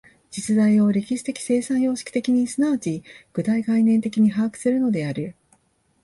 実在を歴史的生産様式的に即ち具体概念的に把握するのである。